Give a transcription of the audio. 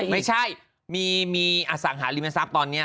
ไม่ใช่สั่งหารีไรมั่งซับตอนนี้